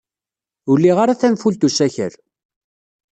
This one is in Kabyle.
Ur liɣ ara tanfult n usakal.